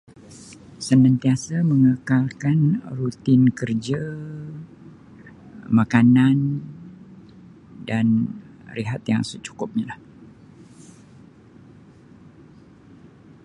Senantiase mengekalkan rutin kerje makanan dan rehat yang secukupnya lah.